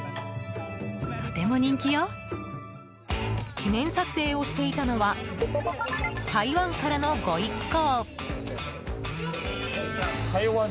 記念撮影をしていたのは台湾からの御一行。